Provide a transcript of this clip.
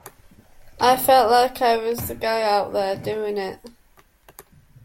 I felt like I was the guy out there doing it.